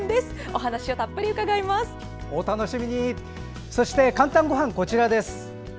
お楽しみに、そして「かんたんごはん」はこちら。